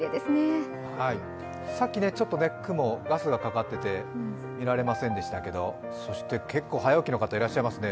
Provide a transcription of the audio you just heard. さっき、ちょっとガスがかかっていて見られませんでしたけどそして、結構早起きの方いらっしゃいますね。